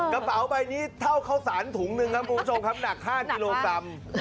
กระเป๋าใบนี้เท่าเข้าสารถุงหนึ่งครับคุณผู้ชมครับหนัก๕กิโลกรัม